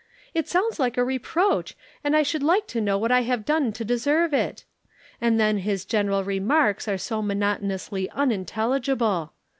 It sounds like a reproach and I should like to know what I have done to deserve it. And then his general remarks are so monotonously unintelligible.